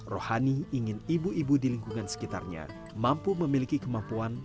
rohani ingin ibu ibu di lingkungan sekitarnya mampu memiliki kemampuan